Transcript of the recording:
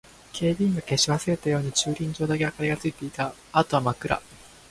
警備員が消し忘れたように駐輪場だけ明かりがついていた。あとは真っ暗。